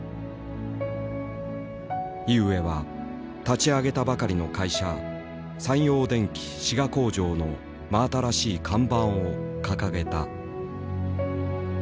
井植は立ち上げたばかりの会社三洋電機滋賀工場の真新しい看板を掲げた。